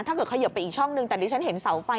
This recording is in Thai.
ถ้าเกิดเขยิบไปอีกช่องหนึ่งแต่นี่ฉันเห็นเสาไฟ